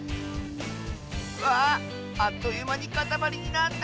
わああっというまにかたまりになった！